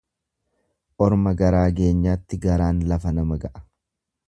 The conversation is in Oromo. Orma garaa geenyaatti garaan lafa nama ga'a.